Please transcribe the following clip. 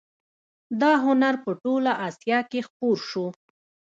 دا هنر په ټوله اسیا کې خپور شو